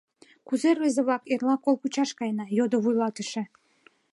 — Кузе, рвезе-влак, эрла кол кучаш каена? — йодо вуйлатыше.